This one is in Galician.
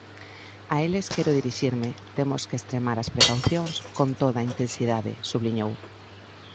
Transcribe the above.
"A eles quero dirixirme; temos que extremar as precaucións con toda a intensidade", subliñou.